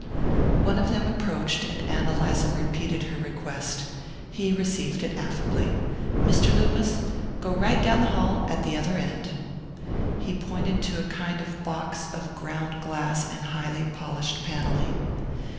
One of them soon approached, and Ann Eliza repeated her request. He received it affably. "Mr. Loomis? Go right down to the office at the other end." He pointed to a kind of box of ground glass and highly polished panelling.